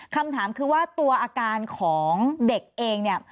คำถามคือว่าตัวอาการของเด็กเองเนี่ย